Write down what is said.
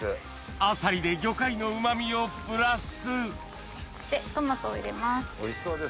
あさりで魚介のうま味をプラストマトを入れます。